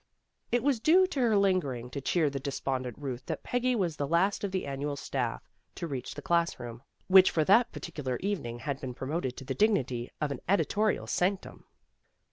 It was due to her lingering to cheer the des pondent Euth that Peggy was the last of the Annual staff to reach the class room, which for that particular evening had been promoted to the dignity of an editorial sanctum.